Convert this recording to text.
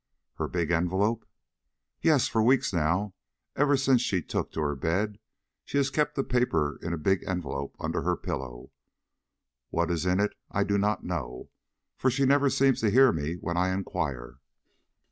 "Her big envelope?" "Yes; for weeks now, ever since she took to her bed, she has kept a paper in a big envelope under her pillow. What is in it I don't know, for she never seems to hear me when I inquire."